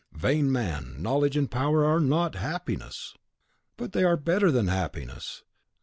"Vain man, knowledge and power are not happiness." "But they are better than happiness.